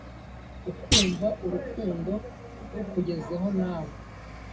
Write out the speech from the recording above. ukumva urukundo rukugezeho nawe